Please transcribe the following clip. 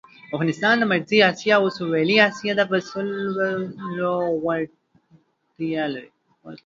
افغانستان د مرکزي آسیا او سویلي آسیا د وصلولو وړتیا لري.